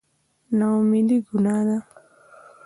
نااميدي ګناه ده